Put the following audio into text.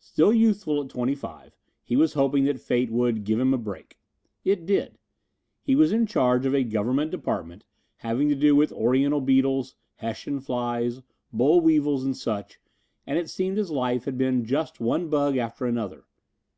Still youthful at twenty five, he was hoping that fate would "give him a break." It did. He was in charge of a Government department having to do with Oriental beetles, Hessian flies, boll weevils and such, and it seemed his life had been just one bug after another.